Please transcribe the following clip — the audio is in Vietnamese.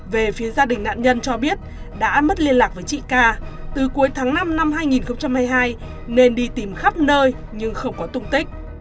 về phía gia đình nạn nhân cho biết đã mất liên lạc với chị ca từ cuối tháng năm năm hai nghìn hai mươi hai nên đi tìm khắp nơi nhưng không có tung tích